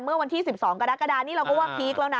เมื่อวันที่๑๒กรกฎานี่เราก็ว่าพีคแล้วนะ